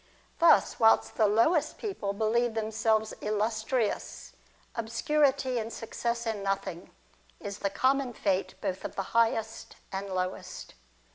Thus, whilst the lowest people believe themselves illustrious, obscurity and success in nothing is the common fate both of the highest and lowest.